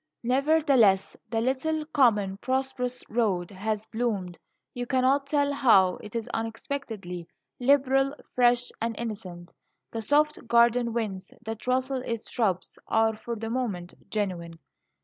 Nevertheless, the little, common, prosperous road, has bloomed, you cannot tell how. It is unexpectedly liberal, fresh, and innocent. The soft garden winds that rustle its shrubs are, for the moment, genuine.